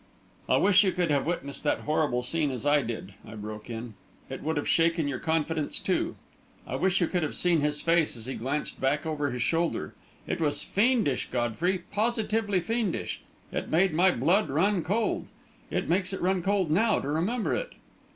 "I wish you could have witnessed that horrible scene, as I did," I broke in; "it would have shaken your confidence, too! I wish you could have seen his face as he glanced back over his shoulder! It was fiendish, Godfrey; positively fiendish! It made my blood run cold. It makes it run cold now, to remember it!"